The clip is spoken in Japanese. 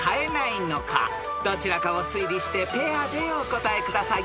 ［どちらかを推理してペアでお答えください］